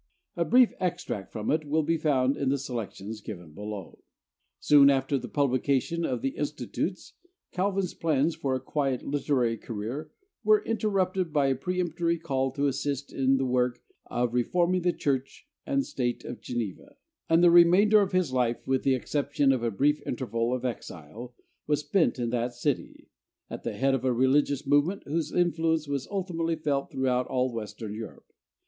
A brief extract from it will be found in the selections given below. Soon after the publication of the 'Institutes,' Calvin's plans for a quiet literary career were interrupted by a peremptory call to assist in the work of reforming the Church and State of Geneva; and the remainder of his life, with the exception of a brief interval of exile, was spent in that city, at the head of a religious movement whose influence was ultimately felt throughout all Western Europe.